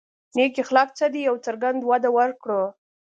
نېک اخلاق څه دي او څرنګه وده ورکړو.